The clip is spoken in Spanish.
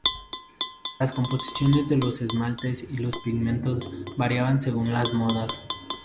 Las composiciones de los esmaltes y los pigmentos variaban según las modas.